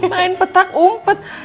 main petak umpet